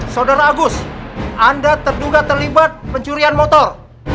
saudara agus anda terduga terlibat pencurian motor